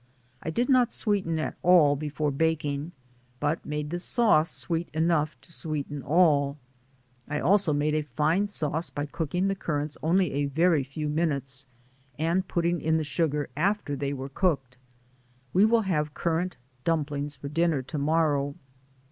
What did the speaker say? I did not sweeten at all before baking, but made the sauce sweet enough to sweeten all. I also made a fine sauce by cooking the cur DAYS ON THE ROAD. 207 rants only a very few minutes, and putting in the sugar after they were cooked. We will have currant dumplings for dinner to morrow.